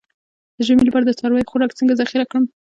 د ژمي لپاره د څارویو خوراک څنګه ذخیره کړم؟